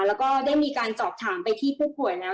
แล้วก็ได้มีการสอบถามไปที่ผู้ป่วยแล้ว